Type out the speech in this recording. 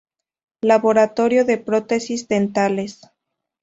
Laboratorio de prótesis dentales